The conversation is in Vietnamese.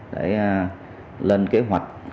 để lên kế hoạch